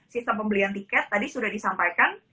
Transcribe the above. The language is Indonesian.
sistem pembelian tiket tadi sudah disampaikan